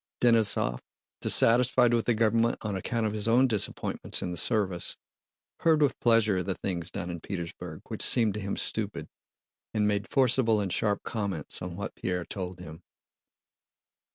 Denísov, dissatisfied with the government on account of his own disappointments in the service, heard with pleasure of the things done in Petersburg which seemed to him stupid, and made forcible and sharp comments on what Pierre told them.